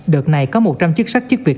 đợt này có một trăm linh chức sắc chức việc